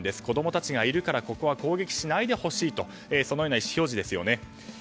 子供たちがいるから、ここは攻撃しないでほしいとそのような意思表示ですよね。